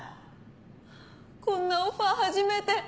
こんなオファー初めて。